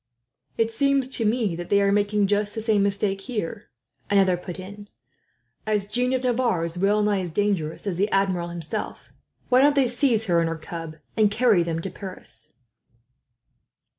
"It seems to me that they are making just the same mistake here," another put in. "As Jeanne of Navarre is well nigh as dangerous as the Admiral himself, why don't they seize her and her cub, and carry them to Paris?"